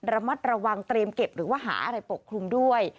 ระมัดระวังเตรียมเก็บหรือว่าหาอะไรปกคลุมด้วย